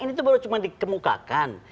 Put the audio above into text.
ini tuh baru cuma dikemukakan